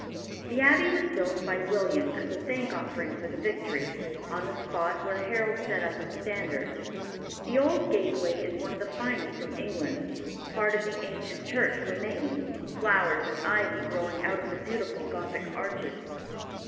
The abbey was built by William as a thank offering for the victory, on the spot where Harold set up his standard. The old gateway is one of the finest in England. Part of the ancient church remains, flowers and ivy growing out of the beautiful gothic arches.